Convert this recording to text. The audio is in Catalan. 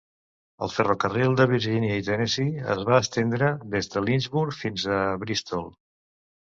El ferrocarril de Virgínia i Tennessee es va estendre des de Lynchburg fins a Bristol.